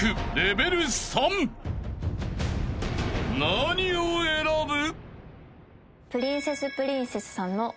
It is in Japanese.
［何を選ぶ？］